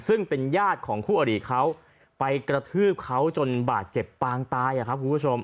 ซึ่งเป็นญาติของคู่อริเขาไปกระทืบเขาจนบาดเจ็บปางตายครับคุณผู้ชม